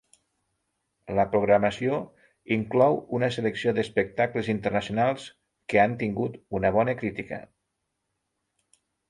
La programació inclou una selecció d’espectacles internacionals que han tingut una bona crítica.